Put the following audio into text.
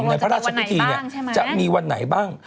ในพระราชพิธีจะมีวันไหนบ้าง